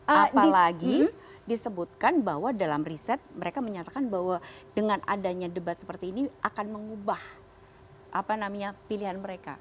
apalagi disebutkan bahwa dalam riset mereka menyatakan bahwa dengan adanya debat seperti ini akan mengubah pilihan mereka